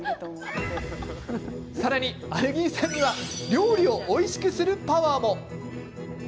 さらに、アルギン酸には料理をおいしくするパワーも。